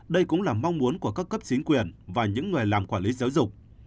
đây cũng là mong muốn của các cấp chính quyền và những người làm quản lý giáo dục